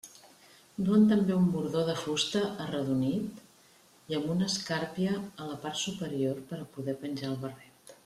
Duen també un bordó de fusta arredonit i amb una escàrpia a la part superior per a poder penjar el barret.